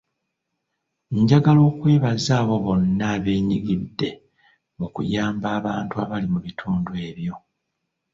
Njagala okwebaza abo bonna ebenyigidde mu kuyamba abantu abali mu bitundu ebyo.